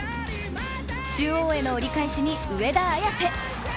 中央への折り返しに上田綺世。